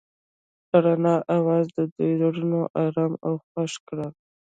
د رڼا اواز د دوی زړونه ارامه او خوښ کړل.